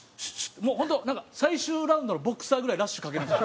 もう本当なんか最終ラウンドのボクサーぐらいラッシュかけるんですよ